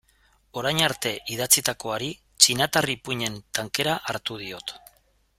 Orain arte idatzitakoari txinatar ipuin-en tankera hartu diot.